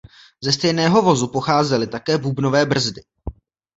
Ze stejného vozu pocházely také bubnové brzdy.